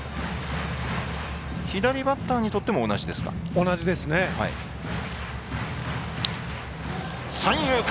左バッターにとっても同じですか？